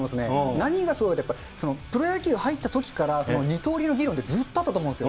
何がすごいって、プロ野球入ったときから二刀流の議論って、ずっとあったと思うんですよ。